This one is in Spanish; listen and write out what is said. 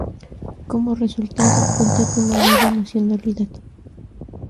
Como resultado, cuenta con la doble nacionalidad.